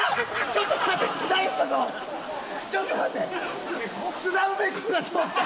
ちょっと待って。